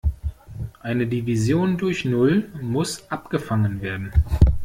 Eine Division durch null muss abgefangen werden.